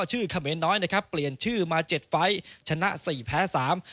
เขมรน้อยนะครับเปลี่ยนชื่อมาเจ็ดไฟล์ชนะสี่แพ้สาม